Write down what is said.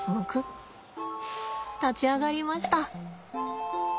立ち上がりました。